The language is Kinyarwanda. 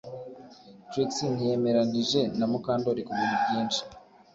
Trix ntiyemeranije na Mukandoli kubintu byinshi